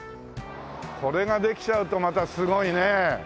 これができちゃうとまたすごいね。